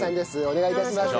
お願い致します。